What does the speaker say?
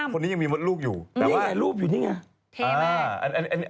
คนนี้ยังมีมดลูกอยู่แต่ว่าถ่ายรูปอยู่นี่ไง